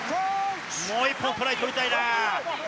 もう１本トライ取りたいな。